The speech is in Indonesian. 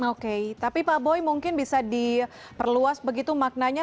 oke tapi pak boy mungkin bisa diperluas begitu maknanya